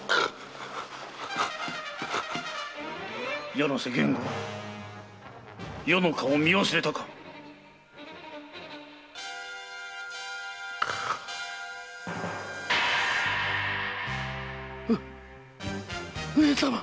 柳瀬源吾余の顔を見忘れたか⁉う上様！